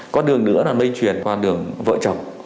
con đường nữa là lây truyền qua đường vợ chồng